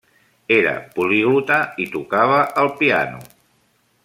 Era poliglota i tocava el piano.